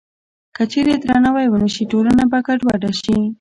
که چېرې درناوی ونه شي، ټولنه به ګډوډه شي.